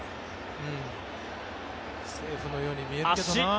セーフのように見えるけどな。